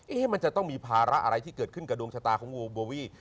มันจะต้องมีภาระอะไรที่เกิดขึ้นกับดวงชะตาของงูโบวี่